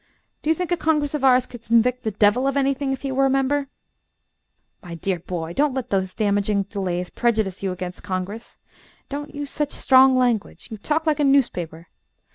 Do you think a Congress of ours could convict the devil of anything if he were a member?" "My dear boy, don't let these damaging delays prejudice you against Congress. Don't use such strong language; you talk like a newspaper.